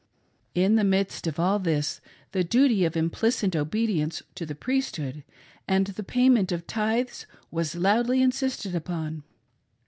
In the midst of all this, the duty of implicit obedience to the Priesthood and the payment of tithes was loudly insisted upon.